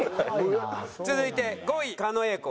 続いて５位狩野英孝。